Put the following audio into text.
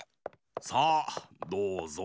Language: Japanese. さあどうぞ！